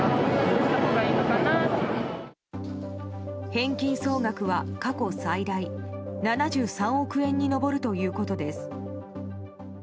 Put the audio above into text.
返金総額は過去最大７３億円に上るということです。